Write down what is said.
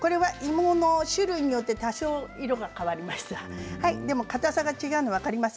芋の種類によって多少、色が変わります。